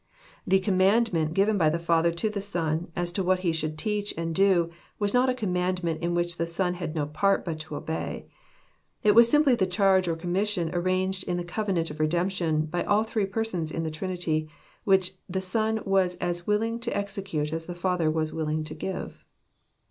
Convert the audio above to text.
— The " commandment " given by the Father to the Son as to what He should teach and do, was not a commandment in which the Son had no part but to obey. It was simply the charge or commission arranged in the covenant of redemption, by all three Persons in the Trinity, which the Sou was as willing to execute as the Father was willing to give.